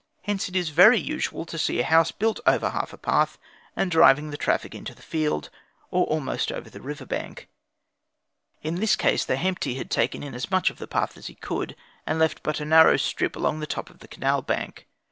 Hence, it is very usual to see a house built over half of a path, and driving the traffic into the field or almost over the river bank. In this case the Hemti had taken in as much of the path as he could, and left it but a narrow strip along the top of the canal bank.